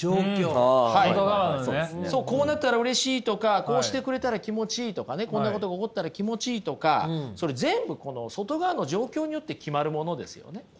こうなったらうれしいとかこうしてくれたら気持ちいいとかねこんなことが起こったら気持ちいいとかそれ全部この外側の状況によって決まるものですよね。